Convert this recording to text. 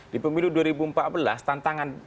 di pemilu dua ribu empat belas tantangan